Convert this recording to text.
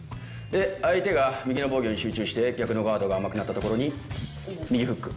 で相手が右の防御に集中して逆のガードが甘くなったところに右フック。